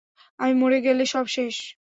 আমি মরে গেলে, সব শেষ।